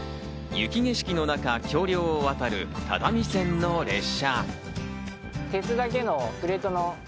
雪景色の中、橋梁を渡る只見線の列車。